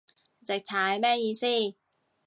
直踩咩意思